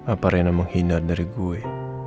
apa reina menghina dari gue